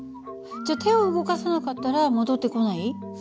じゃあ手を動かさなかったら戻ってこない？